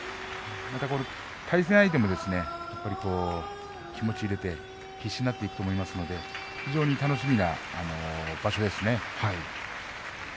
対戦相手も気持ちを入れて必死になっていくと思いますので非常に楽しみな場所ですね。